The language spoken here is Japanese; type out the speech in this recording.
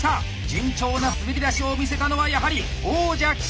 順調な滑り出しを見せたのはやはり王者岸澤。